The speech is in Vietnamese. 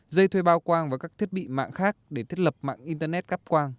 dây thuê bao quang và các thiết bị mạng khác để thiết lập mạng internet cáp quang